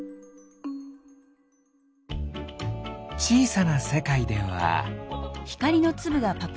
ちいさなせかいでは。